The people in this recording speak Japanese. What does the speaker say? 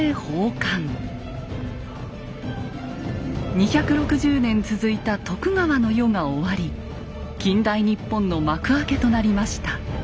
２６０年続いた徳川の世が終わり近代日本の幕開けとなりました。